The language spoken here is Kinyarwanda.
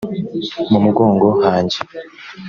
mu mugongo hanjye